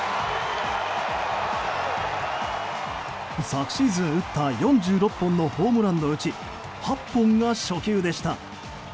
昨シーズン打った４６本のホームランのうち８本が初球でした。